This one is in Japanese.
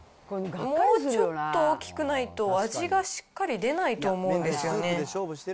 もうちょっと大きくないと、味がしっかり出ないと思うんですよね。